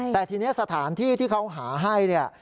แต่ทีนี้สถานที่ที่เขาหาให้เนี่ย